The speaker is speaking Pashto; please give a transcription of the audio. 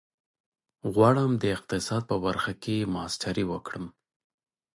غواړم د اقتصاد په برخه کې ماسټري وکړم.